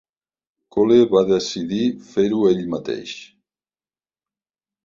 Cole va decidir fer-ho ell mateix.